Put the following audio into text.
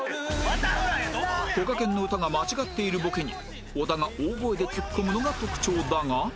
こがけんの歌が間違っているボケに小田が大声でツッコむのが特徴だが